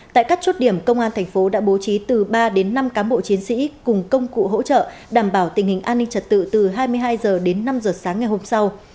tại các chốt điểm công an thành phố đã bố trí từ ba đến năm cán bộ chiến sĩ cùng công cụ hỗ trợ đảm bảo tình hình an ninh trật tự từ hai mươi hai h đến năm h sáng ngày hôm sau